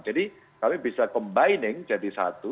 jadi kami bisa combining jadi satu